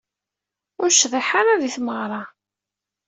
Ur necḍiḥ ara di tmeɣra.